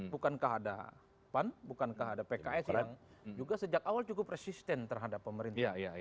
bukankah ada pan bukankah ada pks yang juga sejak awal cukup resisten terhadap pemerintah